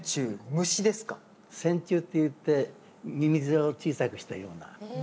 センチュウっていってミミズを小さくしたような。えっ。